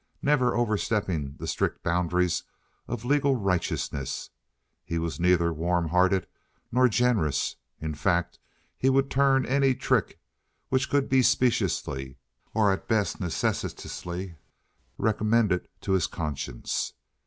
Never overstepping the strict boundaries of legal righteousness, he was neither warm hearted nor generous—in fact, he would turn any trick which could be speciously, or at best necessitously, recommended to his conscience.